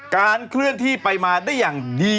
เคลื่อนที่ไปมาได้อย่างดี